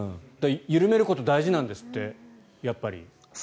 緩めること大事なんですって、やっぱり。